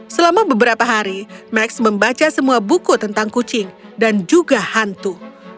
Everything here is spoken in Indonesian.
selama beberapa hari max membaca semua buku tentang kucing dan juga hantu